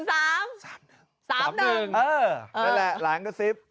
นั่นแหละหลานกระซิบ